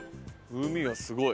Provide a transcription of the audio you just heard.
風味がすごい。